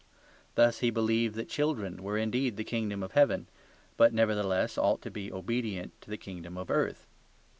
Thus he believed that children were indeed the kingdom of heaven, but nevertheless ought to be obedient to the kingdom of earth.